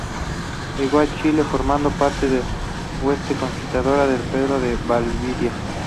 Llegó a Chile formando parte de la hueste conquistadora de Pedro de Valdivia.